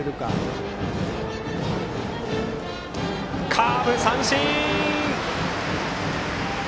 カーブ、三振！